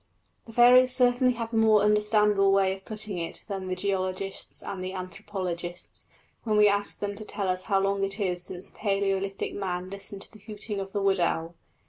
The fairies certainly have a more understandable way of putting it than the geologists and the anthropologists when we ask them to tell us how long it is since Palæolithic man listened to the hooting of the wood owl.